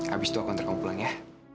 abis itu aku ntar kamu pulang ya